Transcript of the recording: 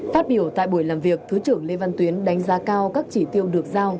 phát biểu tại buổi làm việc thứ trưởng lê văn tuyến đánh giá cao các chỉ tiêu được giao